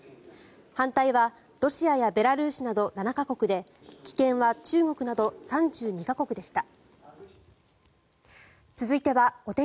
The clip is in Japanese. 反対はロシアやベラルーシなど７か国で棄権は中国など３２か国でした。